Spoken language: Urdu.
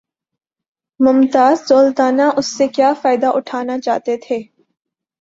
ممتاز دولتانہ اس سے کیا فائدہ اٹھانا چاہتے تھے؟